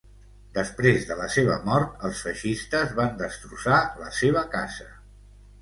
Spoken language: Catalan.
Després de la seva mort els feixistes van destrossar la seva casa.